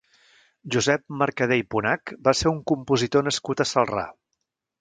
Josep Mercader i Ponach va ser un compositor nascut a Celrà.